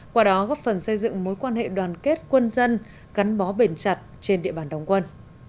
qua đó góp phần xây dựng mối quan hệ đoàn kết quân dân gắn bó bền chặt trên địa bàn đóng quân